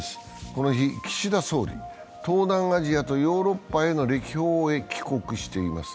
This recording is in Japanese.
この日岸田総理、東南アジアとヨーロッパへの歴訪を終え、帰国しています。